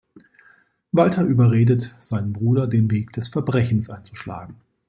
Walter überredet seinen Bruder, den Weg des Verbrechens einzuschlagen.